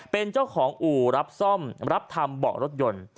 เป็นเจ้าของอู่รับซ่อมรับทำเบาะรถยนต์